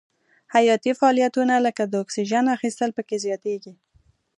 حیاتي فعالیتونه لکه د اکسیجن اخیستل پکې زیاتیږي.